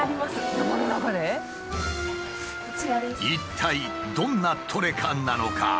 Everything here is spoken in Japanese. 一体どんなトレカなのか？